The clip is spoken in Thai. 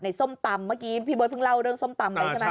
ส้มตำเมื่อกี้พี่เบิร์เพิ่งเล่าเรื่องส้มตำไปใช่ไหม